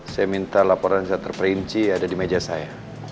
saya minta laporan saya terperinci ada di meja saya